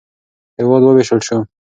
هېواد ووېشل شو.